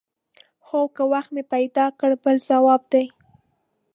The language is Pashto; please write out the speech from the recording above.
هو که وخت مې پیدا کړ بل ځواب دی.